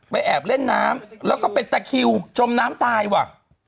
แอบเล่นน้ำแล้วก็เป็นตะคิวจมน้ำตายว่ะ